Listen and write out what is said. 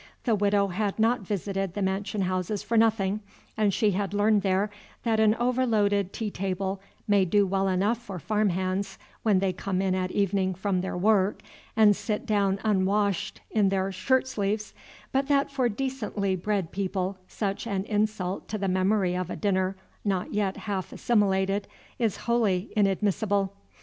The Widow had not visited the mansion houses for nothing, and she had learned there that an overloaded tea table may do well enough for farm hands when they come in at evening from their work and sit down unwashed in their shirtsleeves, but that for decently bred people such an insult to the memory of a dinner not yet half assimilated is wholly inadmissible.